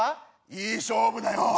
いい勝負だよ。